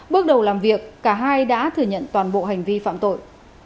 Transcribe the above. bước đầu làm việc cả hai đã thừa nhận toàn bộ hành vi phạm tội